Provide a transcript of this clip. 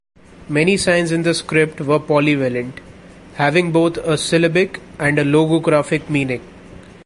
Many signs in the script were polyvalent, having both a syllabic and logographic meaning.